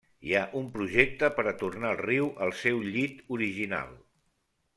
Hi ha un projecte per a tornar el riu al seu llit original.